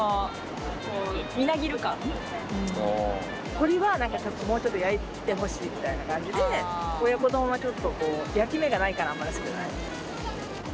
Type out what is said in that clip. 鶏はもうちょっと焼いてほしいみたいな感じで親子丼はちょっとこう焼き目がないからあんまり好きじゃない。